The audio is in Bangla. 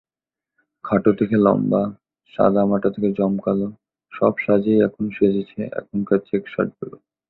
খাটো থেকে লম্বা, সাদামাটা থেকে জমকালো—সব সাজেই এখন সেজেছে এখনকার চেক শার্টগুলো।